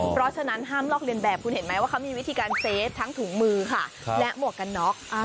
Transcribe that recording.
เพราะฉะนั้นห้ามลอกเรียนแบบคุณเห็นไหมว่าเขามีวิธีการเซฟทั้งถุงมือค่ะและหมวกกันน็อก